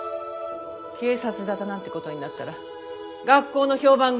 警察沙汰なんてことになったら学校の評判が。